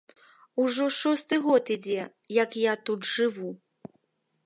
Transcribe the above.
Ужо шосты год ідзе, як я тут жыву.